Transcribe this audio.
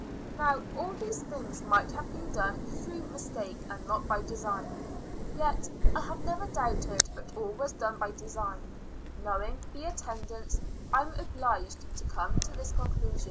Now all these things might have been done through mistake, and not by design, yet, I have never doubted but all was done by design; knowing the attendants, I am obliged to come to this conclusion.